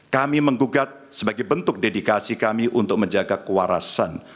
kami menggugat sebagai bentuk dedikasi kami untuk menjaga kewarasan